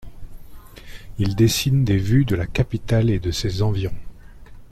Il dessine des vues de la capitale et de ses environs.